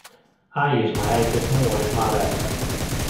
I use my iPad more than my laptop